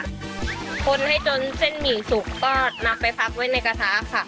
คนให้จนเส้นหมี่สุกก็นำไปพักไว้ในกระทะค่ะ